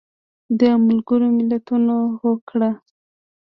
د ملګرو ملتونو هوکړه